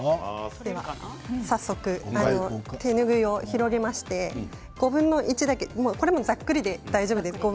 早速手ぬぐいを広げまして５分の１だけこれもざっくりで大丈夫です。